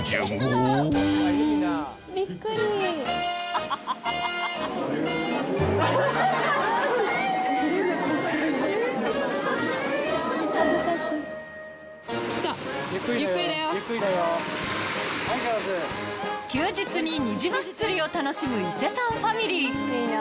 ・・はい上手・休日にニジマス釣りを楽しむ伊勢さんファミリー